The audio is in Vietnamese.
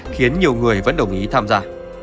khiến nhiều người vẫn đồng ý tham gia